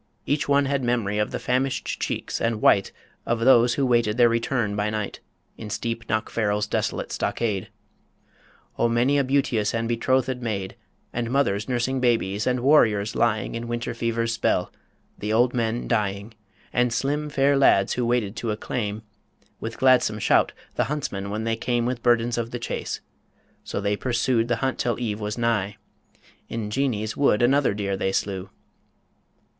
each one Had mem'ry of the famished cheeks and white Of those who waited their return by night, In steep Knockfarrel's desolate stockade O' many a beauteous and bethrothèd maid, And mothers nursing babes, and warriors lying In winter fever's spell, the old men dying, And slim, fair lads who waited to acclaim, With gladsome shout, the huntsmen when they came With burdens of the chase ... So they pursued The hunt till eve was nigh. In Geanies wood Another deer they slew